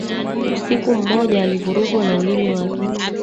Usiku mmoja alivurugwa na ulimi wake